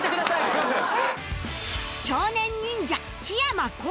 すみません。